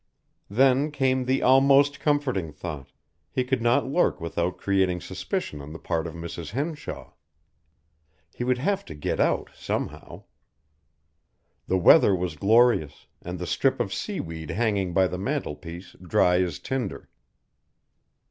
Then came the almost comforting thought, he could not lurk without creating suspicion on the part of Mrs. Henshaw. He would have to get out, somehow. The weather was glorious, and the strip of seaweed hanging by the mantelpiece dry as tinder.